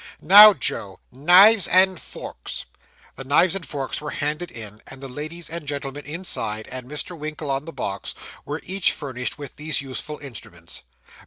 'Now, Joe, knives and forks.' The knives and forks were handed in, and the ladies and gentlemen inside, and Mr. Winkle on the box, were each furnished with those useful instruments.